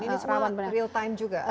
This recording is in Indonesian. dan ini semua real time juga